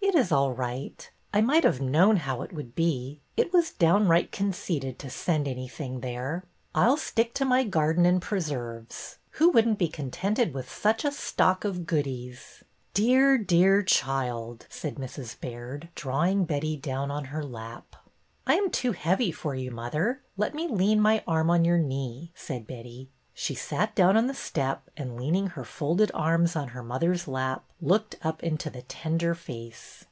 It is all right. I might have known how it would be. It was downright conceited to send anything there. I 'll stick to my garden and preserves. Who would n't be contented with such a stock of goodies ?"'' Dear, dear child," said Mrs. Baird, drawing Betty down on her lap. I am too heavy for you, mother. Let me lean my arm on your knee," said Betty. She sat down on the step, and, leaning her folded arms on her mother's lap, looked up into the tender face.